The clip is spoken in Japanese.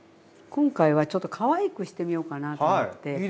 今回はちょっとかわいくしてみようかなと思って。